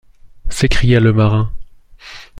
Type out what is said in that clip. S’écria le marin